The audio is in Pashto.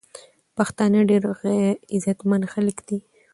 پښتانه ډیر عزت مند خلک دی.